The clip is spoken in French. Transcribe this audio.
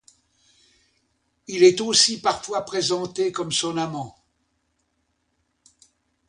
Il est aussi parfois présenté comme son amant.